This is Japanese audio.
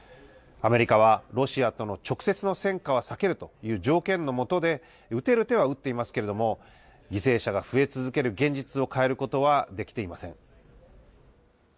アメリカは、ロシアとの直接の戦火は避けるという条件の下で、打てる手は打っていますけれども、犠牲者が増え続ける現実を変えることはできていません。